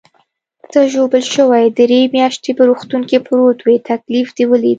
ته ژوبل شوې، درې میاشتې په روغتون کې پروت وې، تکلیف دې ولید.